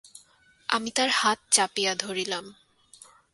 আমি তার হাত চাপিয়া ধরিলাম।